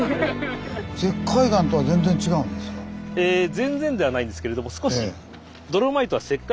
全然ではないんですけれども少し。